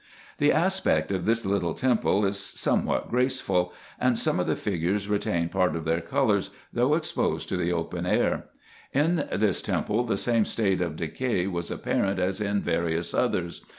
The aspect of this little temple is somewhat graceful ; and some of the figures retain part of their colours, though exposed to the open air. In IN EGYPT, NUBIA, &c. 59 this temple the same state of decay was apparent as in various others.